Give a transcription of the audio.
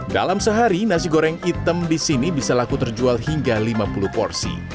dalam sehari nasi goreng hitam di sini bisa laku terjual hingga lima puluh porsi